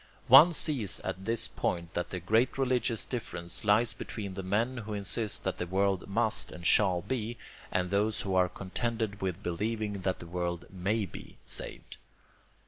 One sees at this point that the great religious difference lies between the men who insist that the world MUST AND SHALL BE, and those who are contented with believing that the world MAY BE, saved.